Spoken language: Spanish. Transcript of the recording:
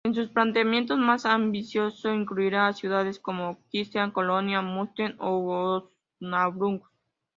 En su planteamiento más ambicioso incluiría ciudades como Aquisgrán, Colonia, Münster u Osnabrück.